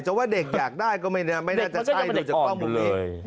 ว่าเด็กอยากได้ก็ไม่น่าจะใช่ดูจากกล้องมุมนี้